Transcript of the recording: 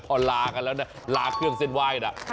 พอลากันแล้วเนี่ยลาเครื่องเส้นไหว้นะ